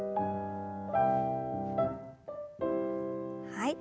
はい。